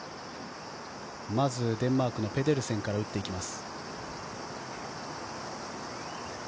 まずデンマークのペデルセンから打っていきます。